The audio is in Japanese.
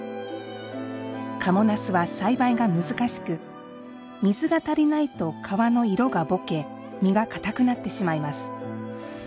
賀茂なすは栽培が難しく水が足りないと皮の色がぼけ実が硬くなってしまいます。